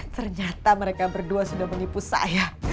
ternyata mereka berdua sudah mengipu saya